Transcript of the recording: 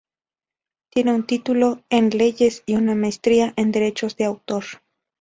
Tiene un título en Leyes y una Maestría en Derechos de Autor.